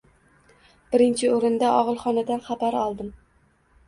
Birinchi o‘rinda og‘ilxonadan xabar oldim